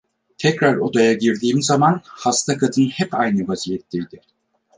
Tekrar odaya girdiğim zaman hasta kadın hep aynı vaziyetteydi.